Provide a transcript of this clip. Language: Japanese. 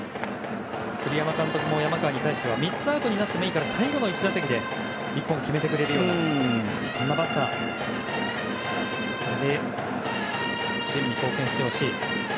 栗山監督も山川に対しては３つアウトになってもいいから最後の１打席で一本決めてくれるようなバッターとしてチームに貢献してほしい。